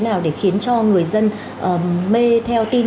nào để khiến cho người dân mê theo tin